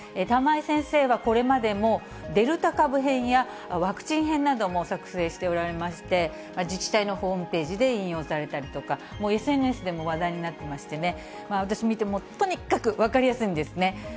玉井先生はこれまでも、デルタ株編やワクチン編なども作成しておられまして、自治体のホームページで引用されたりとか、ＳＮＳでも話題になってましてね、私、見ても、とにかく分かりやすいんですね。